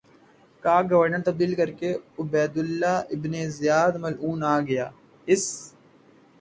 کا گورنر تبدیل کرکے عبیداللہ ابن زیاد ملعون آگیا اس